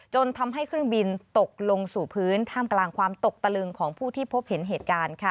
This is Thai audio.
จนทำให้เครื่องบินตกลงสู่พื้นท่ามกลางความตกตะลึงของผู้ที่พบเห็นเหตุการณ์ค่ะ